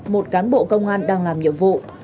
một cán bộ công an đang làm nhiệm vụ